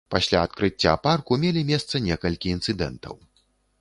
Пасля адкрыцця парку мелі месца некалькі інцыдэнтаў.